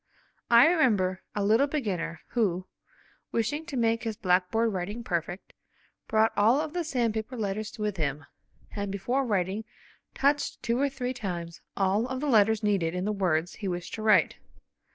I remember a little beginner who, wishing to make his blackboard writing perfect, brought all of the sandpaper letters with him, and before writing touched two or three times all of the letters needed in the words he wished to write.